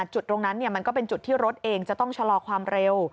จุดตรงนั้นมันก็เป็นจุดที่รถเองจะต้องชะลอความเร็ว